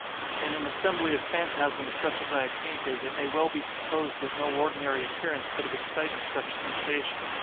In an assembly of phantasms such as I have painted, it may well be supposed that no ordinary appearance could have excited such sensation.